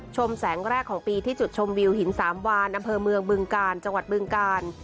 แสงแรกของปีที่จุดชมวิวหินสามวานอำเภอเมืองบึงกาลจังหวัดบึงกาล